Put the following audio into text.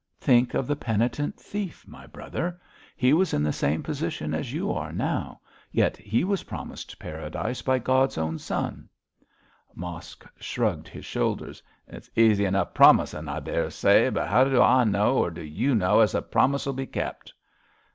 'Think of the penitent thief, my brother. He was in the same position as you now are, yet he was promised paradise by God's own Son!' Mosk shrugged his shoulders. 'It's easy enough promisin', I daresay; but 'ow do I know, or do you know as the promise 'ull be kept?'